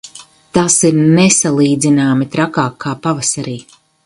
Tas ir nesalīdzināmi trakāk kā pavasarī.